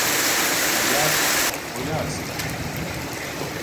— А як... болярська?